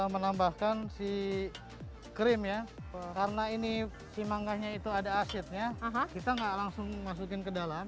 menambahkan si krim ya karena ini si manggahnya itu ada asetnya kita nggak langsung masukin ke dalam